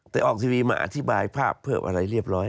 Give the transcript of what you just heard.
แต่ออกทีวีมาอธิบายภาพเพิ่มอะไรเรียบร้อย